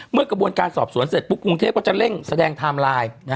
กระบวนการสอบสวนเสร็จปุ๊บกรุงเทพก็จะเร่งแสดงไทม์ไลน์